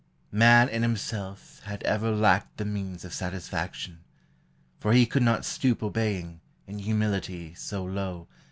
" Man in himself had ever lacked the means Of satisfaction, for he could not stoop Obeying, in humility so low.